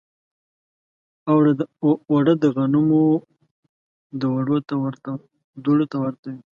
اوړه د غنمو دوړو ته ورته وي